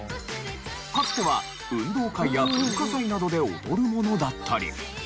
かつては運動会や文化祭などで踊るものだったり。